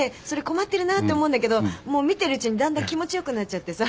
困ってるなって思うんだけどもう見てるうちにだんだん気持ち良くなっちゃってさ。